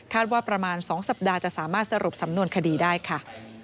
ว่าประมาณ๒สัปดาห์จะสามารถสรุปสำนวนคดีได้ค่ะ